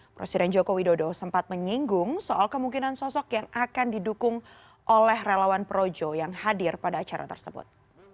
presiden joko widodo sempat menyinggung soal kemungkinan sosok yang akan didukung oleh relawan projo yang hadir pada acara tersebut